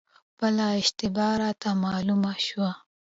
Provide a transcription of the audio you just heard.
خپله اشتباه راته معلومه شوه،